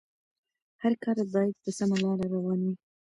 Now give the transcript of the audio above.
هر کار بايد په سمه لاره روان وي.